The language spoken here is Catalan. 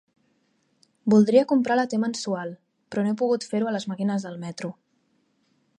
Voldria comprar la T-mensual, però no he pogut fer-ho a les màquines del metro.